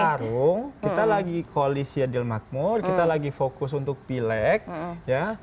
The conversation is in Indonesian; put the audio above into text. kita lagi tarung kita lagi koalisi adil makmur kita lagi fokus untuk pilek ya